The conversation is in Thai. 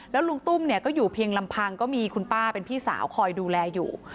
แล้วลุงตุ้มเนี่ยก็อยู่เพียงลำพังก็มีคุณป้าเป็นพี่สาวคอยดูแลอยู่